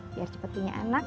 biar cepet punya anak